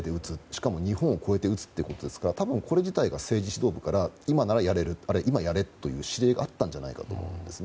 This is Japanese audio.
しかも日本を越えて撃つということですからこれ自体が政治指導部から今やれという指導があったんじゃないかと思います。